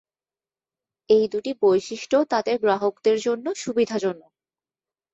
এই দুটি বৈশিষ্ট্য তাদের গ্রাহকদের জন্য সুবিধাজনক।